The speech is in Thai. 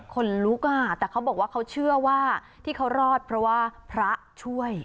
คนลุกอ่ะแต่เขาบอกว่าเขาเชื่อว่าที่เขารอดเพราะว่าพระช่วย